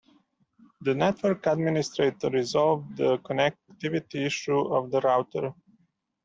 The network administrator resolved the connectivity issue of the router.